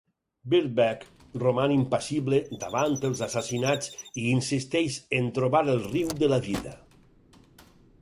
Bierdebeck roman impassible davant els assassinats i insisteix en trobar el riu de la vida.